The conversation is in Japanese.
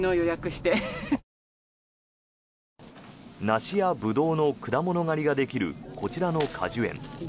梨やブドウの果物狩りができるこちらの果樹園。